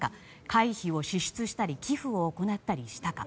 会費を支出したり寄付を行ったりしたか。